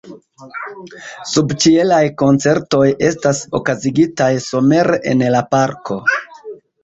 Subĉielaj koncertoj estas okazigitaj somere en la parko.